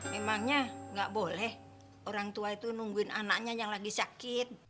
memangnya nggak boleh orang tua itu nungguin anaknya yang lagi sakit